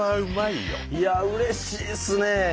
いやあうれしいっすね。